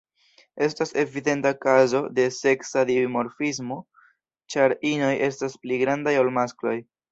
Estas evidenta kazo de seksa dimorfismo, ĉar inoj estas pli grandaj ol maskloj.